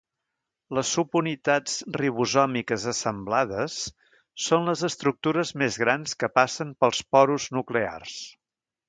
Les subunitats ribosòmiques assemblades són les estructures més grans que passen pels porus nuclears.